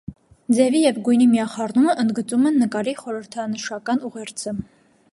Ձևի ու գույնի միախառնումը ընդգծում են նկարի խորհրդանշական ուղերձը։